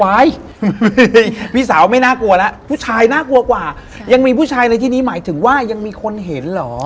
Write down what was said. พี่สาวไม่น่ากลัวแล้วผู้ชายน่ากลัวกว่ายังมีผู้ชายในที่นี้หมายถึงว่ายังมีคนเห็นเหรอ